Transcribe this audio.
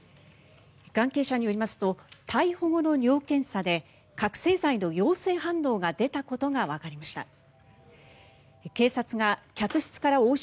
関係者によりますと逮捕後の尿検査で覚醒剤の陽性反応が出たことがわかりました。